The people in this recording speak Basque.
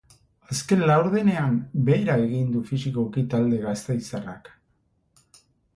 Azken laurdenean behera egin du fisikoki talde gasteiztarrak.